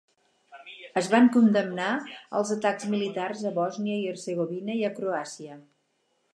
Es van condemnar els atacs militars a Bòsnia i Hercegovina i a Croàcia.